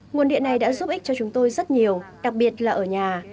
nguồn điện này đã giúp ích cho chúng tôi rất nhiều đặc biệt là ở nhà